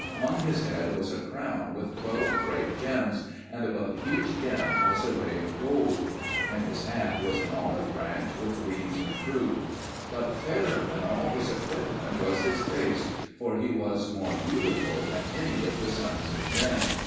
On his head was a crown with twelve great gems, and above each gem was a ray of gold; in his hand was an olive branch with leaves and fruit. But fairer than all his equipment was his face, for he was more beautiful than any of the sons of men.